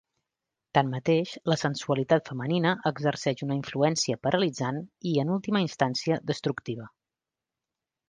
Tanmateix, la sensualitat femenina exerceix una influència paralitzant i, en última instància, destructiva.